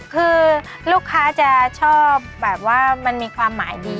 คือลูกค้าจะชอบแบบว่ามันมีความหมายดี